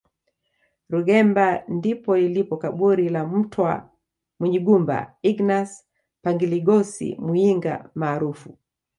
Rugemba ndipo lilipo kaburi la mtwa Munyigumba Ignas Pangiligosi Muyinga maarufu